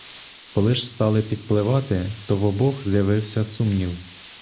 Коли ж стали підпливати, то в обох з'явився сумнів.